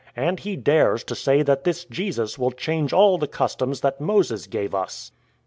" And he dares to say that this Jesus will change all the customs that Moses gave us."